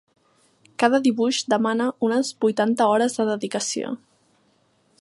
Cada dibuix demana unes vuitanta hores de dedicació.